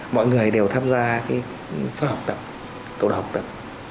mọi người đều tham gia cái sách học tập cầu đạo học tập